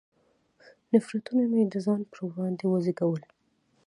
نفرتونه مې د ځان پر وړاندې وزېږول.